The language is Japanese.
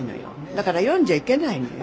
だから読んじゃいけないのよ。